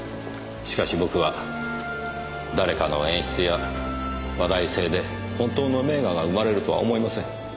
しかし僕は誰かの演出や話題性で本当の名画が生まれるとは思いません。